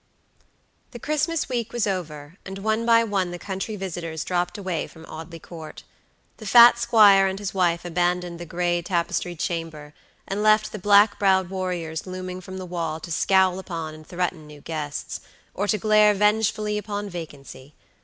The Christmas week was over, and one by one the country visitors dropped away from Audley Court. The fat squire and his wife abandoned the gray, tapestried chamber, and left the black browed warriors looming from the wall to scowl upon and threaten new guests, or to glare vengefully upon vacancy.